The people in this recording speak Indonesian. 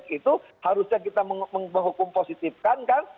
itu harusnya kita menghukum positifkan kan